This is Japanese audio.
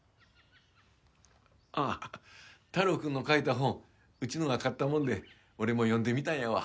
あっ太郎くんの書いた本うちのが買ったもんで俺も読んでみたんやわ。